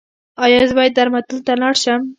ایا زه باید درملتون ته لاړ شم؟